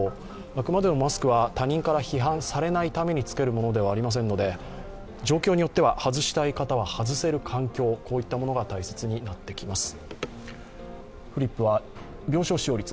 あくまでもマスクは他人から批判されないために付けるものではありませんので、状況によっては外したい方は外せる環境、こういったものが大切になってきます。